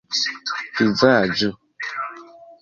vizaĝo